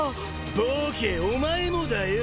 ボケお前もだよ。